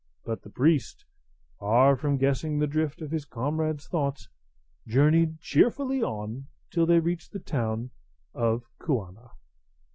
But the priest, far from guessing the drift of his comrade's thoughts, journeyed cheerfully on till they reached the town of Kuana.